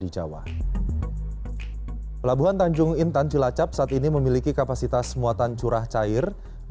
di jawa pelabuhan tanjung intan cilacap saat ini memiliki kapasitas muatan curah cair